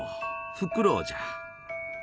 フクロウじゃ。